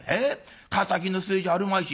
敵の末じゃあるまいし。